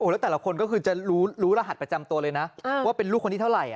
แล้วแต่ละคนก็คือจะรู้รหัสประจำตัวเลยนะว่าเป็นลูกคนที่เท่าไหร่